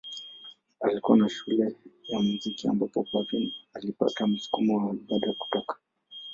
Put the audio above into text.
Alikuwa na shule yake ya muziki ambapo Parveen alipata msukumo wa ibada kutoka.